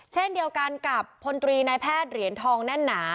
เช่นเดียวกันกับพลตรีนายแพทย์เหรียญทองแน่นหนา